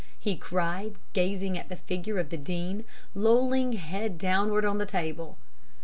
he cried, gazing at the figure of the Dean, lolling head downward on the table.